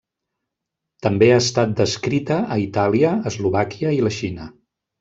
També ha estat descrita a Itàlia, Eslovàquia i la Xina.